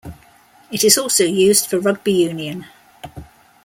It is also used for Rugby union.